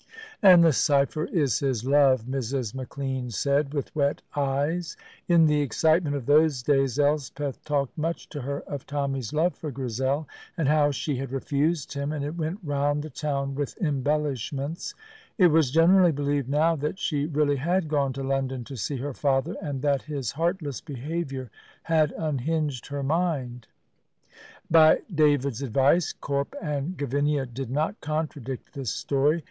"And the cipher is his love," Mrs. McLean said, with wet eyes. In the excitement of those days Elspeth talked much to her of Tommy's love for Grizel, and how she had refused him, and it went round the town with embellishments. It was generally believed now that she really had gone to London to see her father, and that his heartless behaviour had unhinged her mind. By David's advice, Corp and Gavinia did not contradict this story.